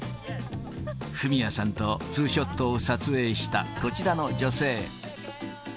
ふみやさんとツーショットを撮影したこちらの女性。